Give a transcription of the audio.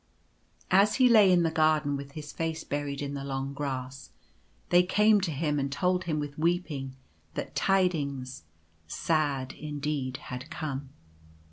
As he lay in the garden with his face buried in the long grass, they came to him and told him with weeping, that tidings — sad, indeed — had come.